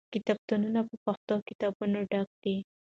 کتابتونونه په پښتو کتابونو ډک کړئ.